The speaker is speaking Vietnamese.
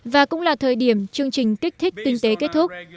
và cũng là thời điểm chương trình kích thích kinh tế kết thúc